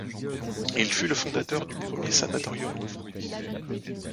Il fut le fondateur du premier sanatorium de France.